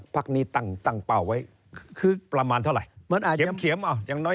พักนี้ตั้งเป้าไว้ประมาณเท่าไหร่เขียบอ้าวอย่างน้อย